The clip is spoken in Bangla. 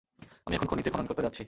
আমি এখন খনিতে খনন করতে যাচ্ছি!